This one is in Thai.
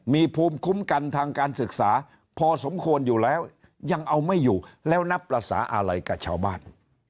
มีภูมิคุ้มกันทางการศึกษาพอสมควรอยู่แล้วยังเอาไม่อยู่แล้วนับภาษาอะไรกับชาวบ้าน